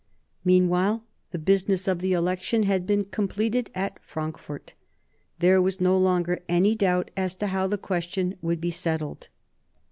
Meanwhile the business of the election had been completed at Frankfort. There was no longer any doubt as to how the question would be settled.